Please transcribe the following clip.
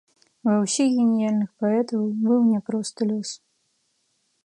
Ва ўсіх геніяльных паэтаў быў няпросты лёс.